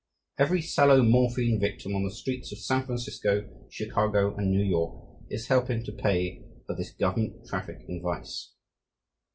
Every sallow morphine victim on the streets of San Francisco, Chicago, and New York is helping to pay for this government traffic in vice.